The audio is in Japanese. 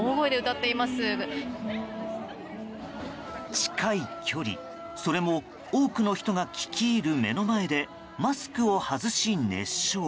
近い距離、それも多くの人が聴き入る目の前でマスクを外し、熱唱。